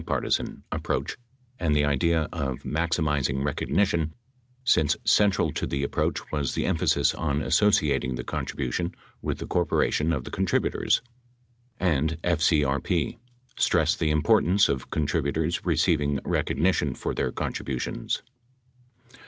"bipartisan" approach and the idea of "maxi mizing recognition," since central to the approach was the emphasis on associating the contribution with the corporation of the contributors, and FCRP stressed the importance of contributors receiving recogni tion for their contributions.